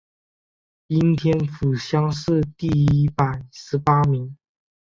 应天府乡试第一百十八名。